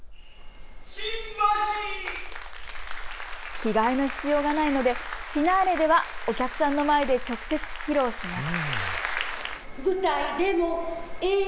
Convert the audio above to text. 着替えの必要がないのでフィナーレではお客さんの前で直接、披露します。